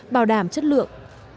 bảo đảm chất lượng